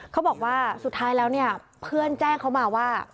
เขาบอกว่าสุดท้ายแล้วเนี่ยเพื่อนแจ้งเขามาว่า